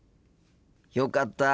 よかった。